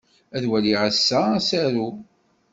Ad waliɣ ass-a asaru.